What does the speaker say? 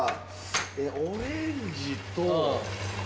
オレンジと。